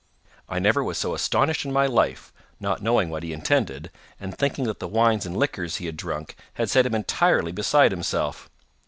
I never was so astonished in my life, not knowing what he intended, and thinking that the wines and liquors he had drunk had set him entirely beside himself.